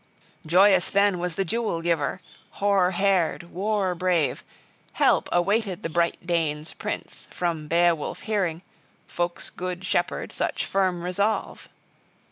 Joyous then was the Jewel giver, hoar haired, war brave; help awaited the Bright Danes' prince, from Beowulf hearing, folk's good shepherd, such firm resolve.